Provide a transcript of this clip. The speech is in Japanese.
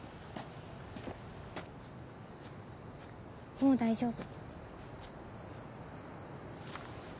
もう大丈夫。